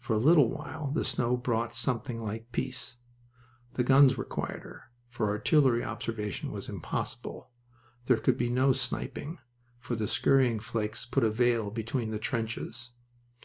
For a little while the snow brought something like peace. The guns were quieter, for artillery observation was impossible. There could be no sniping, for the scurrying flakes put a veil between the trenches.